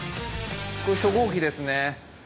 これ初号機ですね。